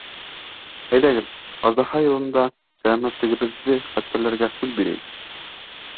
Әйҙәгеҙ, Аждаһа йылында сәләмәтлегебеҙҙе хәстәрләргә һүҙ бирәйек.